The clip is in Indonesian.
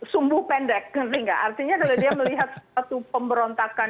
sumbuh pendek artinya kalau dia melihat satu pemberontakan